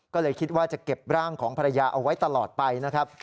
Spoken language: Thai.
ก็เลยคิดว่าจะเก็บร่างของภรรยาเอาไว้ตลอดไปนะครับ